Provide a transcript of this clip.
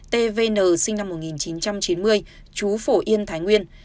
tvn sinh năm một nghìn chín trăm chín mươi chú phổ yên thái nguyên